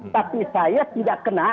tapi saya tidak kena